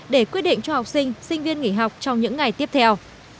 để quyết định cho học sinh sinh viên nghỉ học trong những ngày tiếp theo